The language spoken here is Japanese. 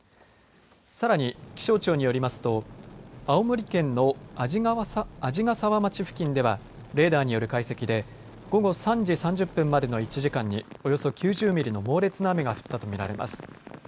さらに気象庁によりますと、青森県の鰺ヶ沢町付近ではレーダーによる解析で午後３時３０分までの１時間におよそ９０ミリの猛烈な雨が降ったと見られます。